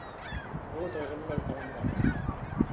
பூத எல்லை கடந்தது.